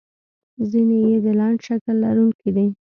ځینې یې د لنډ شکل لرونکي دي.